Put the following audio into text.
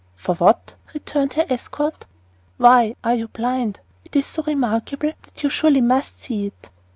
"For what?" returned her escort. "Why, are you blind? It's so remarkable that you SURELY must see it."